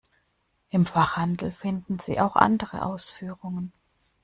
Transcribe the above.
Im Fachhandel finden Sie auch andere Ausführungen.